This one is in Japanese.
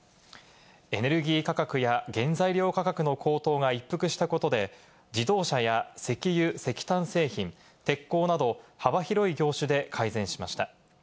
エネルギー価格や原材料価格の高騰が一服したことで、自動車や石油・石炭製品、鉄鋼など幅広い業種で改善しました。